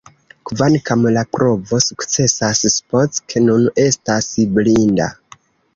Kvankam la provo sukcesas, Spock nun estas blinda.